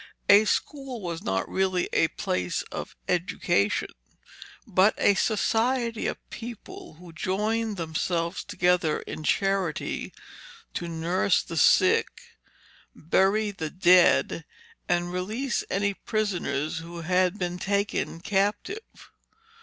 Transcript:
A school was not really a place of education, but a society of people who joined themselves together in charity to nurse the sick, bury the dead, and release any prisoners who had been taken captive.